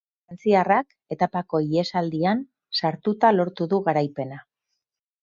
Frantziarrak etapako ihesaldian sartuta lortu du garaipena.